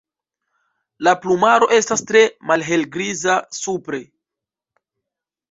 La plumaro estas tre malhelgriza supre.